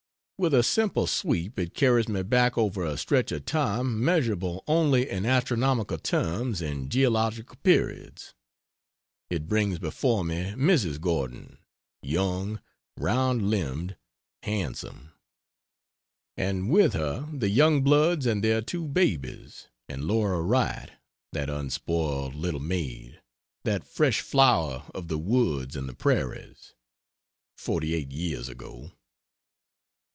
With a simple sweep it carries me back over a stretch of time measurable only in astronomical terms and geological periods. It brings before me Mrs. Gordon, young, round limbed, handsome; and with her the Youngbloods and their two babies, and Laura Wright, that unspoiled little maid, that fresh flower of the woods and the prairies. Forty eight years ago!